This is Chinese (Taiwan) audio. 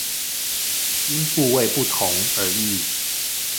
因部位不同而異